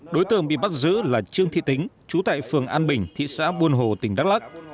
đối tượng bị bắt giữ là trương thị tính chú tại phường an bình thị xã buôn hồ tỉnh đắk lắc